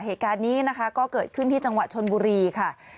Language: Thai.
เหตุการณ์นี้นะคะก็เกิดขึ้นที่จังหวัดชนบุรีค่ะ